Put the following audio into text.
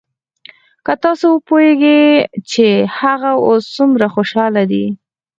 که تاسو وپويېګئ چې هغه اوس سومره خوشاله دى.